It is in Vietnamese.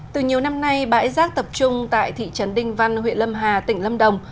từ nhiều năm nay bãi rác tập trung tại thị trấn đinh văn huyện lâm hà tỉnh lâm đồng